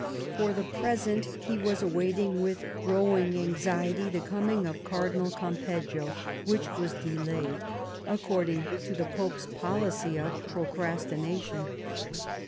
For the present he was awaiting with growing anxiety the coming of Cardinal Campeggio, which was delayed, according to the Pope's policy of procrastination.